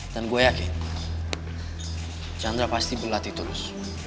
dan gue yakin chandra pasti berlatih terus